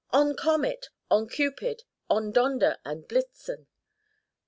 On, Comet 1 on, Cupid ! on, Donder and Blitzen